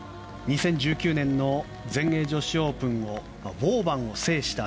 ２０１９年の全英女子オープンのウォーバンを制した